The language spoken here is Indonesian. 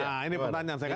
nah ini pertanyaan saya kan